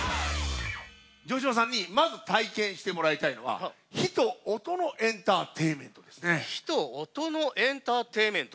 城島さんにまず体験してもらいたいのは「火と音のエンターテインメント」？